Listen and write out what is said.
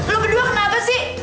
lo kedua kenapa sih